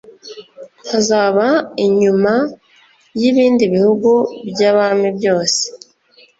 Hazaba inyuma y ibindi bihugu by abami byose